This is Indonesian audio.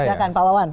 siapkan pak wawan